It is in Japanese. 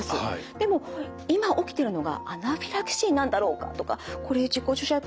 でも今起きてるのがアナフィラキシーなんだろうかとかこれ自己注射薬